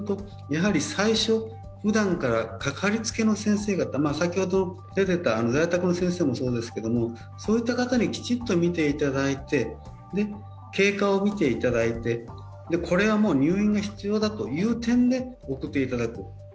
最初、ふだんからかかりつけの先生方、先ほど出ていた在宅の先生もそうですけどそういった方にきちんと診ていただいて、経過を見ていただいてこれは入院が必要だという点で送っていただく。